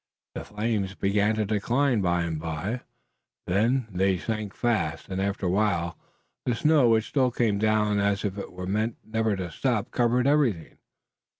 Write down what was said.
The flames began to decline by and by, then they sank fast, and after a while the snow which still came down as if it meant never to stop covered everything.